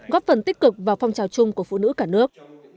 góp phần tích cực vào phong trào chung của phụ nữ cả nước